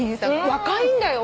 若いんだよ。